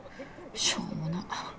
しょうもな。